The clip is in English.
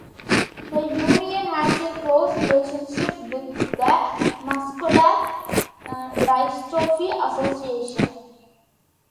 The union has a close relationship with the Muscular Dystrophy Association.